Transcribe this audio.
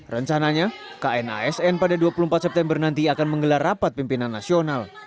rencananya knasn pada dua puluh empat september nanti akan menggelar rapat pimpinan nasional